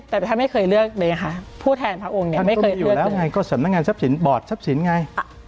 ท่านต้องอยู่แล้วก็สำนักงานทรัพย์สินบอร์ดทรัพย์สินไง